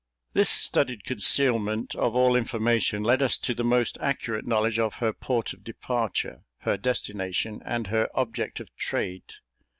This studied concealment of all information led us to the most accurate knowledge of her port of departure, her destination, and her object of trade.